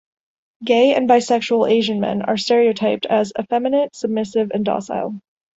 Gay and bisexual Asian men are stereotyped as "effeminate, submissive, and docile".